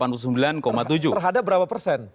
terhadap berapa persen